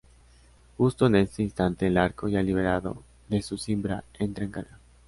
Justo en ese instante el arco, ya liberado de su cimbra, "entra en carga".